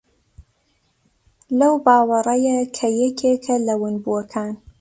لەو باوەڕەیە کە یەکێکە لە ونبووەکان